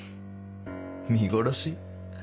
見殺し？